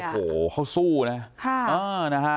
โอ้โหเขาสู้นะ